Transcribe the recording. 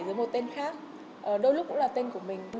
đôi lúc cũng là tên khác đôi lúc cũng là tên của mình